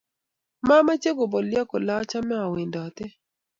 Mameche kobolyo kole achame awendoto